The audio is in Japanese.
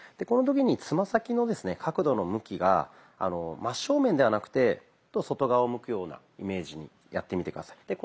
この時につま先の角度の向きが真っ正面ではなくて外側を向くようなイメージでやってみて下さい。